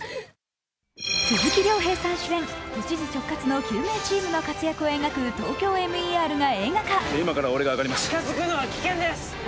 鈴木亮平さん主演都知事直轄の救命チームの活躍を描く「ＴＯＫＹＯＭＥＲ」が映画化。